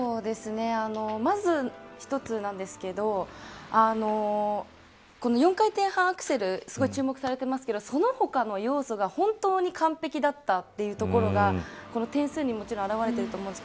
まず、一つなんですけどこの４回転半アクセルすごい注目されてますけどその他の要素が本当に完璧だったというところがこの点数にも表れていると思います。